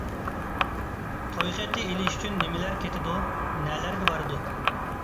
توي خېتى ئېلىش ئۈچۈن نېمىلەر كېتىدۇ؟ نەلەرگە بارىدۇ؟